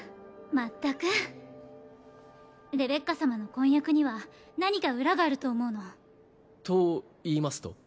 まったくレベッカ様の婚約には何か裏があると思うのといいますと？